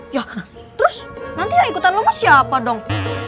nah terus nanti yang ikutan lu mah siapa dong